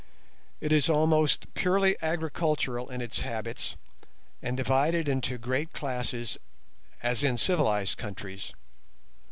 It is almost purely agricultural in its habits, and divided into great classes as in civilized countries.